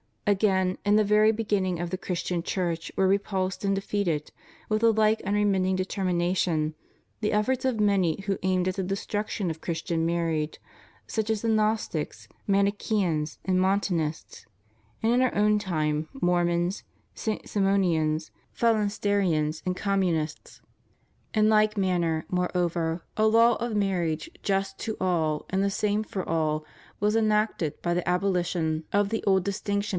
* Again, in the very beginning of the Christian Church were repulsed and defeated, with the like unremitting determination, the efforts of many who aimed at the destruction of Christian marriage, such as the Gnostics, Manicheans, and Montanists; and in our own time Mormons, St. Simonians, Phalansterians, and Commimists. In like manner, moreover, a law of marriage just to all, and the same for all, was enacted by the abolition of the ^Eph.